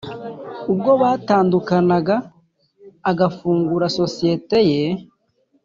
ubwo batandukanaga agafungura sosiyete ye